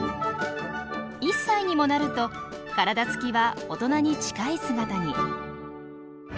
１歳にもなると体つきは大人に近い姿に。